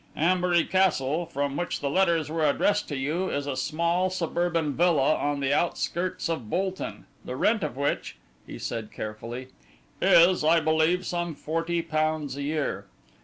Ambury Castle, from which the letters were addressed to you, is a small suburban villa on the outskirts of Bolton, the rent of which," he said carefully, "is, I believe, some forty pounds a year.